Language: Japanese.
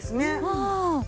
うん。